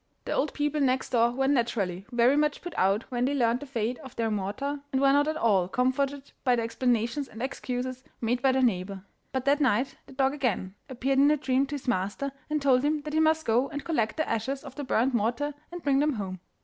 The old people next door were naturally very much put out when they learned the fate of their mortar, and were not at all comforted by the explanations and excuses made by their neighbour. But that night the dog again appeared in a dream to his master, and told him that he must go and collect the ashes of the burnt mortar and bring them home.